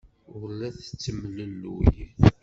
Ur la tettemlelluy.